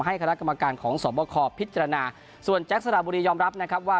ให้คลาดกรรมการของสวบคอพิจารณาส่วนแจ๊กซาบุรียอมรับนะครับว่า